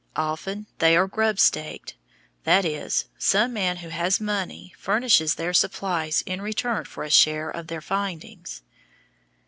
Often they are "grub staked," that is, some man who has money furnishes their supplies in return for a share in their findings.